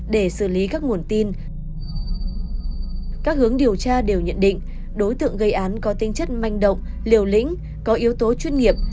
để xử lý các nguồn tin các hướng điều tra đều nhận định đối tượng gây án có tinh chất manh động liều lĩnh có yếu tố chuyên nghiệp